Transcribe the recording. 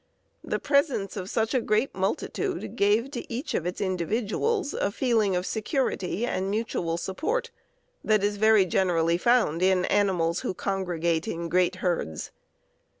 The presence of such a great multitude gave to each of its individuals a feeling of security and mutual support that is very generally found in animals who congregate in great herds.